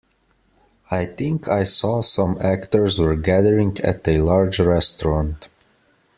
I think I saw some actors were gathering at a large restaurant.